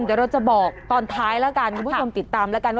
เดี๋ยวเราจะบอกตอนท้ายแล้วกันคุณผู้ชมติดตามแล้วกันว่า